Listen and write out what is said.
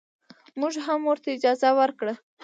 موږ هم ورته اجازه ورکړه.